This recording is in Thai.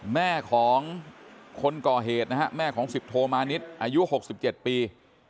แม่ของคนก่อเหตุนะฮะแม่ของสิบโทมานิดอายุ๖๗ปี